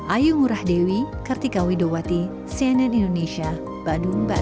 ayu ngurah dewi kartika widowati cnn indonesia badung bali